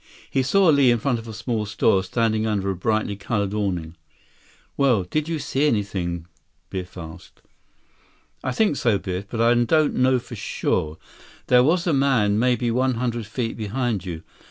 He saw Li in front of a small store, standing under a brightly colored awning. "Well, did you see anything?" Biff asked. "I think so, Biff. But I don't know for sure. There was a man, maybe one hundred feet behind you.